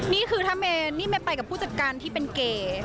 นี่คือถ้าเมนี่ไม่ไปกับผู้จัดการที่เป็นเก๋